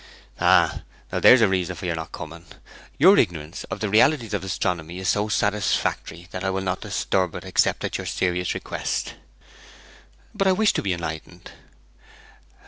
'Ah now there is a reason for your not coming. Your ignorance of the realities of astronomy is so satisfactory that I will not disturb it except at your serious request.' 'But I wish to be enlightened.'